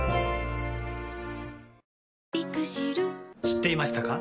知っていましたか？